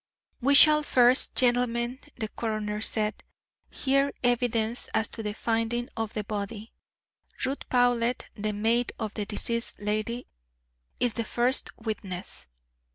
"We shall first, gentlemen," the coroner said, "hear evidence as to the finding of the body. Ruth Powlett, the maid of the deceased lady, is the first witness."